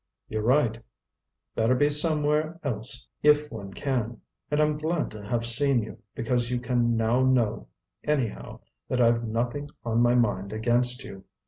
"You're right; better be somewhere else if one can. And I'm glad to have seen you, because you can know now, anyhow, that I've nothing on my mind against you.